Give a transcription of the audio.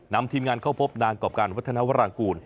นำทีมงานเข้าพบนางกรอบการวัฒนาวรางกูล